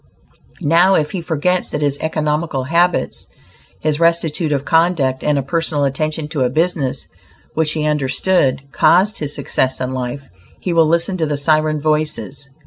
Now if he forgets that his economical habits, his rectitude of conduct and a personal attention to a business which he understood, caused his success in life, he will listen to the siren voices.